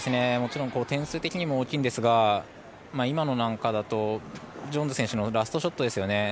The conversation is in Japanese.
点数的にも大きいですが今のですとジョーンズ選手のラストショットですよね。